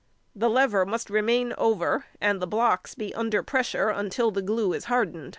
The lever must remain over, and the blocks be under pressure until the glue is hardened.